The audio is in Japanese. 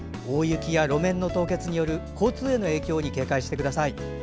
大雪や路面の凍結による交通への影響に警戒してください。